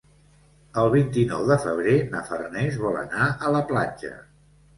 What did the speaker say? El vint-i-nou de febrer na Farners vol anar a la platja.